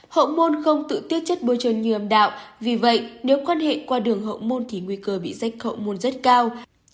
hậu môn không tự tiết chất bôi trơn như âm đạo vì vậy nếu quan hệ qua đường hậu môn thì nguy cơ bị rách hậu môn rất cao